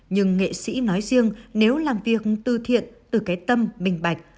nhưng nghệ sĩ nói riêng nếu làm việc tư thiện từ cái tâm bình bạch